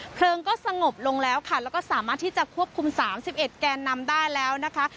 เพลิงก็สงบลงแล้วค่ะแล้วก็สามารถที่จะควบคุม๓๑แกนนำได้แล้วนะคะ